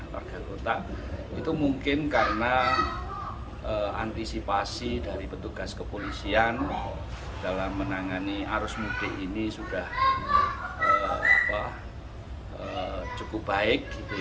warga kota itu mungkin karena antisipasi dari petugas kepolisian dalam menangani arus mudik ini sudah cukup baik